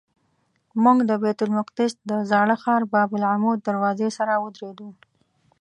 موږ د بیت المقدس د زاړه ښار باب العمود دروازې سره ودرېدو.